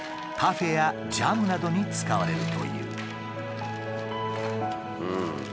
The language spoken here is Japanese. パフェやジャムなどに使われるという。